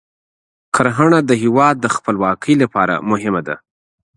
کرنه د هیواد د خپلواکۍ لپاره مهمه ده.